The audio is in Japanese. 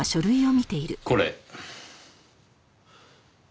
これ。